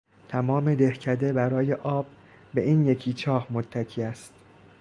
تمام دهکده برای آب به این یک چاه متکی است.